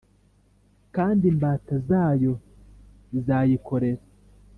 kandi imbata zayo zizayikorera.